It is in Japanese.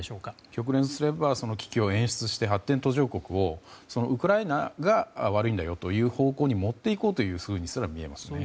極論すれば、そういう発展途上国をウクライナが悪いんだよという方向に持っていこうというふうにすら見えますね。